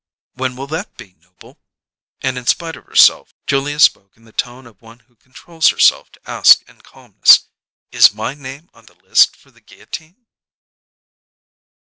"When will that be, Noble?" And in spite of herself, Julia spoke in the tone of one who controls herself to ask in calmness: "Is my name on the list for the guillotine?"